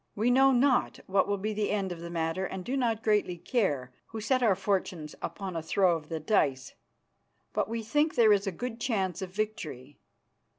We know not what will be the end of the matter and do not greatly care, who set our fortunes upon a throw of the dice, but we think there is a good chance of victory.